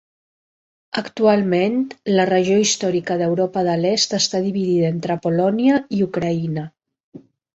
Actualment, la regió històrica d'Europa de l'Est està dividida entre Polònia i Ucraïna.